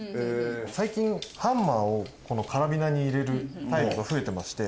最近ハンマーをこのカラビナに入れるタイプが増えてまして。